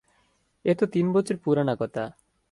এ তো তিন বছর পুরানা কথা।